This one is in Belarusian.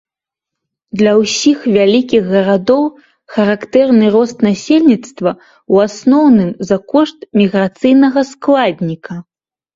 Для ўсіх вялікіх гарадоў характэрны рост насельніцтва ў асноўным за кошт міграцыйнага складніка.